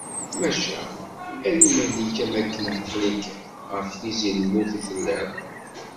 Maca, err iman-ik am akken aqli-k ɣef tizi lmut i telliḍ.